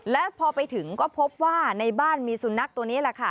และพอไปถึงก็พบว่าในบ้านมีสุนัขตัวนี้แหละค่ะ